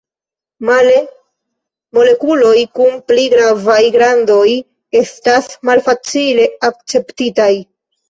Male, molekuloj kun pli gravaj grandoj estas malfacile akceptitaj.